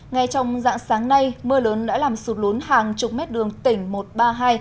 ngay trong dạng sáng nay mưa lớn đã làm sụt lún hàng chục mét đường tỉnh một trăm ba mươi hai